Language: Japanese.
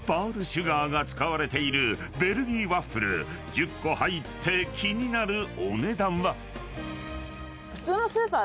［１０個入って気になるお値段は？］